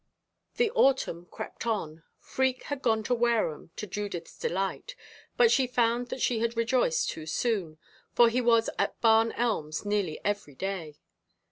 The autumn crept on. Freke had gone to Wareham, to Judith's delight, but she found that she had rejoiced too soon, for he was at Barn Elms nearly every day.